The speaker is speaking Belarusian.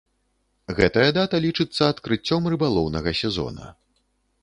Гэтая дата лічыцца адкрыццём рыбалоўнага сезона.